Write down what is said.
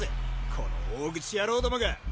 この大口野郎どもが！！